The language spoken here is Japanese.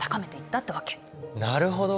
なるほど。